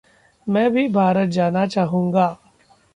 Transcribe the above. मैं भी भारत जाना चाहुँगा